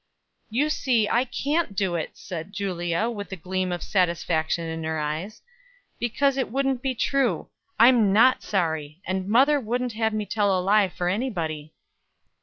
"You see I can't do it," said Julia, with a gleam of satisfaction in her eyes, "because it wouldn't be true. I'm not sorry; and mother wouldn't have me tell a lie for anybody."